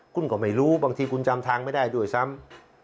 คุณก็ไม่รู้บางทีคุณจำทางไม่ได้ด้วยซ้ำ